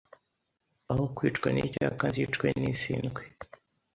aho kwicwa n’icyaka nzicwe n’isindwe